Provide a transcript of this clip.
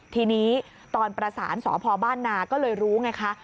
ทีนี้ตอนประสานสพบ้านนาก็เลยรู้ไงคะ